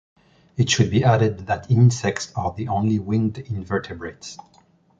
It should be added that insects are the only winged invertebrates.